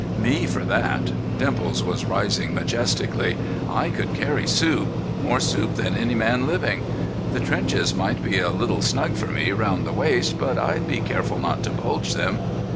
"Me for that!" Dimples was rising majestically. "I could carry soup—more soup than any man living. The trenches might be a little snug for me round the waist, but I'd be careful not to bulge them.